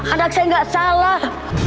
anak saya gak salah